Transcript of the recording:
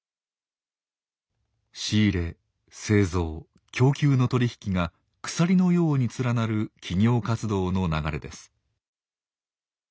仕入れ製造供給の取り引きが鎖のように連なる企業活動の流れです。